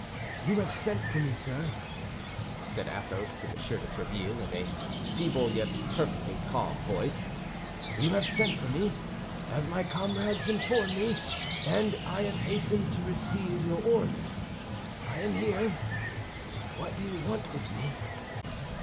"You have sent for me, sir," said Athos to M. de Tréville, in a feeble yet perfectly calm voice, "you have sent for me, as my comrades inform me, and I have hastened to receive your orders. I am here; what do you want with me?"